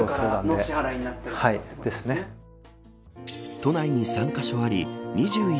都内に３カ所あり２１